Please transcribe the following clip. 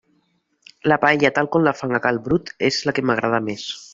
La paella tal com la fan a cal Brut és la que m'agrada més.